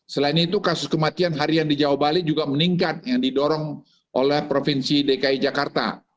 selain itu kasus kematian harian di jawa bali juga meningkat yang didorong oleh provinsi dki jakarta